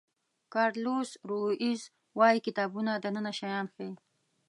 کارلوس رویز وایي کتابونه دننه شیان ښیي.